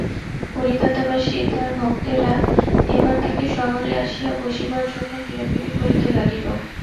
কলিকাতাবাসী তাঁর ভক্তেরা এবার তাঁকে শহরে আসিয়া বসিবার জন্য পীড়াপীড়ি করিতে লাগিল।